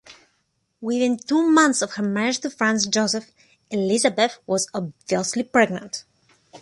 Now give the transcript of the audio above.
Within two months of her marriage to Franz Joseph, Elisabeth was obviously pregnant.